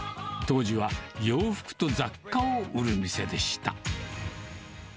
当時は洋服と雑貨を売る店でした。